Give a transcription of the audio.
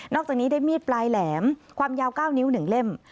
อกจากนี้ได้มีดปลายแหลมความยาว๙นิ้ว๑เล่ม